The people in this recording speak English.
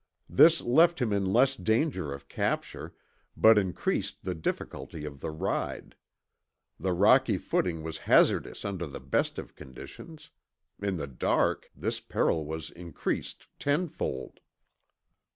This left him in less danger of capture, but increased the difficulty of the ride. The rocky footing was hazardous under the best of conditions. In the dark, this peril was increased tenfold.